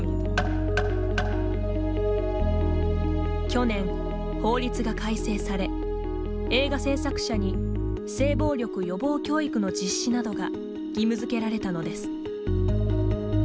去年、法律が改正され映画制作者に、性暴力予防教育の実施などが義務づけられたのです。